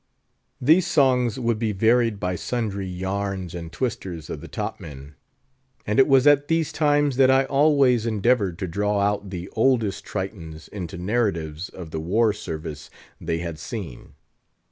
These songs would be varied by sundry yarns and twisters of the top men. And it was at these times that I always endeavoured to draw out the oldest Tritons into narratives of the war service they had seen.